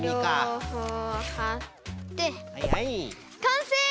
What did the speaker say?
かんせい！